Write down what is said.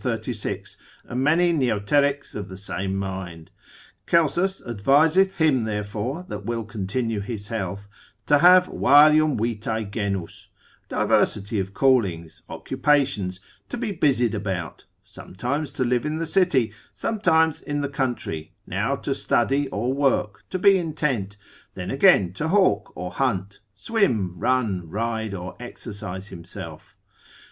36. and many neoterics are of the same mind: Celsus adviseth him therefore that will continue his health, to have varium vitae genus, diversity of callings, occupations, to be busied about, sometimes to live in the city, sometimes in the country; now to study or work, to be intent, then again to hawk or hunt, swim, run, ride, or exercise himself.